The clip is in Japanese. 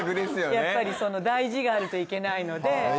やっぱり大事があるといけないので。